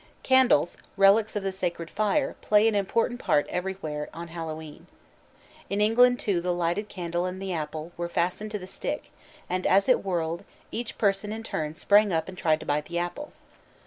_ Candles, relics of the sacred fire, play an important part everywhere on Hallowe'en. In England too the lighted candle and the apple were fastened to the stick, and as it whirled, each person in turn sprang up and tried to bite the apple.